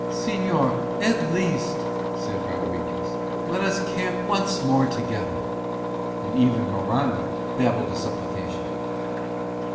"Señor, at least," said Rodriguez, "let us camp once more together." And even Morano babbled a supplication.